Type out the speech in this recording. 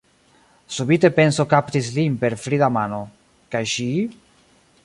Subite penso kaptis lin per frida mano: kaj ŝi?